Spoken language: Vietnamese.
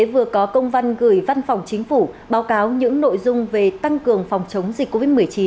bộ y tế vừa có công văn gửi văn phòng chính phủ báo cáo những nội dung về tăng cường phòng chống dịch covid một mươi chín